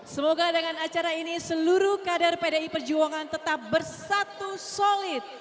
semoga dengan acara ini seluruh kader pdi perjuangan tetap bersatu solid